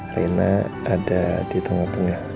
arena ada di tengah tengah